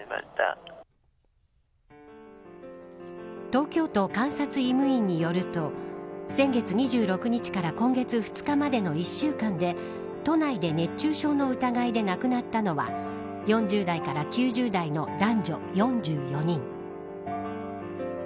東京都監察医務院によると先月２６日から今月２日までの１週間で都内で熱中症の疑いで亡くなったのは４０代から９０代の男女４４人。